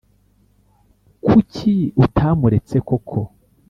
kuki utamuretse koko